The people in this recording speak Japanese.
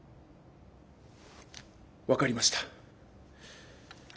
分かりました。